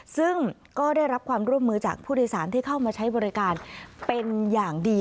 ซึ่งก็ได้รับความร่วมมือจากผู้โดยสารที่เข้ามาใช้บริการเป็นอย่างดี